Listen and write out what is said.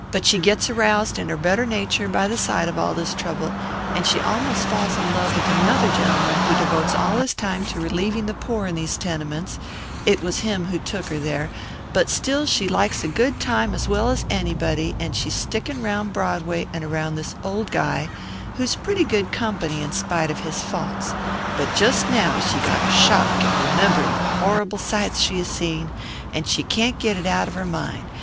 But she gets aroused in her better nature by the sight of all this trouble, and she almost falls in love with another gentleman who devotes all his time to relieving the poor in these tenements it was him who took her there but still she likes a good time as well as anybody, and she's stickin' around Broadway and around this old guy who's pretty good company in spite of his faults. But just now she got a shock at remembering the horrible sights she has seen; she can't get it out of her mind.